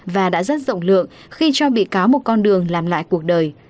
và đã rất rộng lượng khi cho bị cáo một con đường làm lại cuộc đời